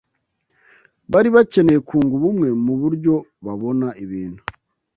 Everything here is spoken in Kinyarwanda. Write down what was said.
bari bakeneye kunga ubumwe mu buryo babona ibintu